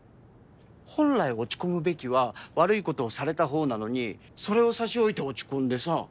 本来落ち込むべきは悪いことをされた方なのにそれを差し置いて落ち込んでさ。